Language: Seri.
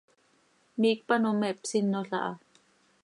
Miicp ano me hpsinol aha.